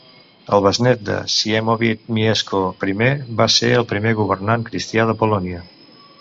El besnét de Siemowit, Mieszko I, va ser el primer governant cristià de Polònia.